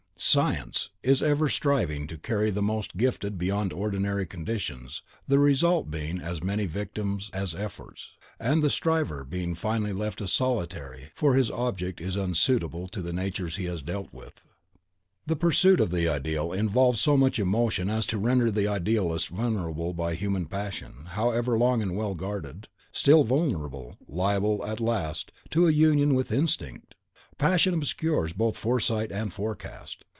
SCIENCE is ever striving to carry the most gifted beyond ordinary conditions, the result being as many victims as efforts, and the striver being finally left a solitary, for his object is unsuitable to the natures he has to deal with. The pursuit of the Ideal involves so much emotion as to render the Idealist vulnerable by human passion, however long and well guarded, still vulnerable, liable, at last, to a union with Instinct. Passion obscures both Insight and Forecast.